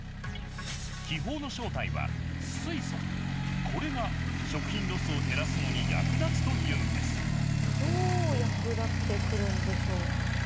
気泡の正体は水素これが食品ロスを減らすのに役立つというんですどう役立ってくるんでしょう？